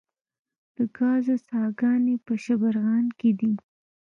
د ګازو څاګانې په شبرغان کې دي